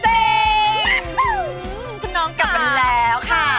คุณน้องกลับมาแล้วค่ะ